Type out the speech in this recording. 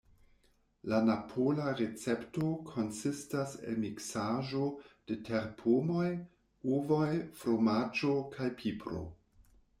La napola recepto konsistas el miksaĵo de terpomoj, ovoj, fromaĝo kaj pipro.